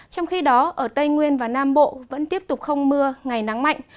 trong khi đó ở tây nguyên và nam bộ vẫn tiếp tục không mưa ngày nắng mạnh